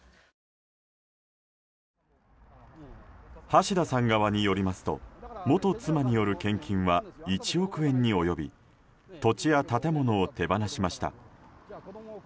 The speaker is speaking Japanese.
橋田さん側によりますと元妻による献金は１億円に及び土地や建物を手放しました。